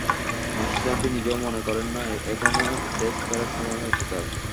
মাশরাফি নিজেও মনে করেন না, এখনই টেস্টে ফেরার সময় হয়েছে তাঁর।